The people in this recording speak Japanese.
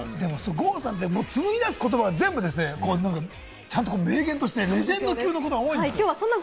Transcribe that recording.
郷さんが紡ぎだす言葉って、ちゃんと名言としてレジェンド級の言葉が多いんですよね。